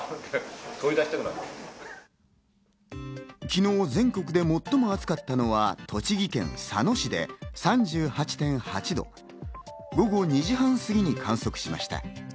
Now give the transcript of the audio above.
昨日、全国で最も暑かったのは栃木県佐野市で３８．８度午後２時半すぎに観測しました。